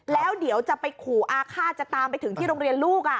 แล้วเดี๋ยวจะไปขู่อาฆาตจะตามไปถึงที่โรงเรียนลูก